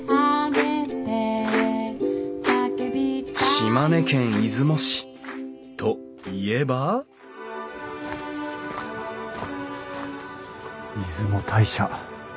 島根県出雲市といえば出雲大社。